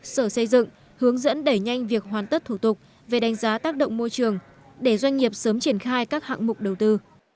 sở xây dựng hướng dẫn đẩy nhanh việc hoàn tất thủ tục về đánh giá tác động môi trường để doanh nghiệp sớm triển khai các hạng mục đầu tư